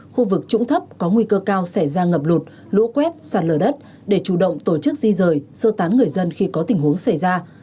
khu vực trũng thấp có nguy cơ cao xảy ra ngập lụt lũ quét sạt lở đất để chủ động tổ chức di rời sơ tán người dân khi có tình huống xảy ra